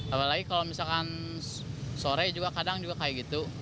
apalagi kalau misalkan sore juga kadang juga kayak gitu